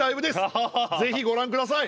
ぜひご覧下さい。